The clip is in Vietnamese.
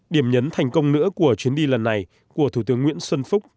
điểm nhấn thành công nữa của chuyến đi lần này của thủ tướng nguyễn xuân phúc